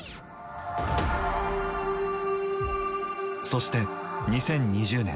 そして２０２０年。